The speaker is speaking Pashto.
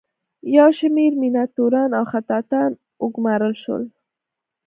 یو شمیر میناتوران او خطاطان وګومارل شول.